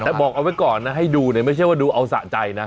แต่บอกเอาไว้ก่อนนะให้ดูเนี่ยไม่ใช่ว่าดูเอาสะใจนะ